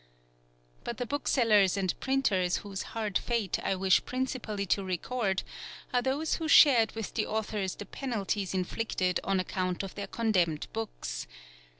But the booksellers and printers whose hard fate I wish principally to record are those who shared with the authors the penalties inflicted on account of their condemned books.